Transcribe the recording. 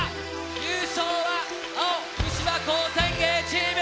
優勝は青福島高専Ａチーム！